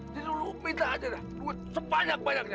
jadi lo minta aja dah duit sebanyak banyaknya